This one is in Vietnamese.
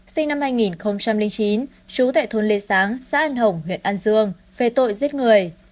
sinh năm hai nghìn chín chú tại thôn lê sáng xã an hồng huyện an dương về tội giết người